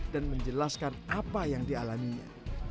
dan menjelaskan apa yang dialaminya